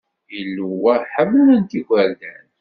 Ilew-a ḥemmlen-t igerdan.